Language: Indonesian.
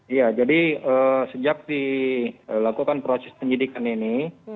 iya jadi sejak dilakukan proses penyidikan ini